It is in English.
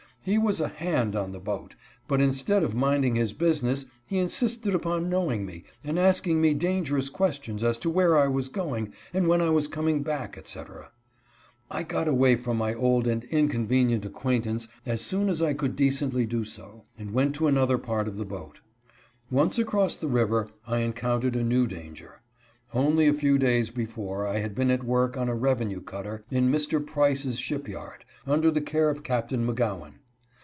He was a " hand " on the boat, but instead of minding his business, he insisted up on knowing me, and asking me dangerous questions as to where I was going, and when I was coming back, etc. I got away from my old and inconvenient acquaintance ARRIVES IN NEW YORK. 249 as soon as I could decently do so, and went to another part of the boat. Once across the river I encountered a new danger. Only a few days before I had been at work on a revenue cutter, in Mr. Price's ship yard, under the care of Captain McGowan.